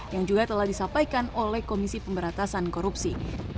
yang juga telah disampaikan oleh komisi pemberatasan korupsi